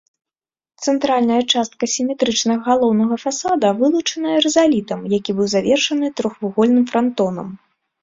Цэнтральная частка сіметрычнага галоўнага фасада вылучаная рызалітам, які быў завершаны трохвугольным франтонам.